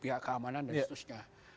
pihak keamanan dan situsnya